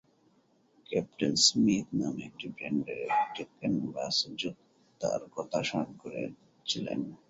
Captain Smith নামে একটি ব্র্যান্ডের একটি ক্যানভাস জুতার কথা স্মরণ করেছিলেন।